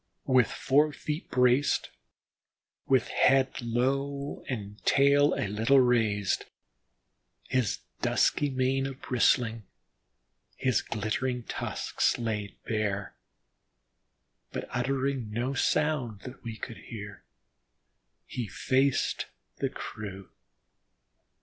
With fore feet braced, with head low and tail a little raised, his dusky mane a bristling, his glittering tusks laid bare, but uttering no sound that we could hear, he faced the crew.